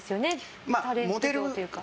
タレント業というか。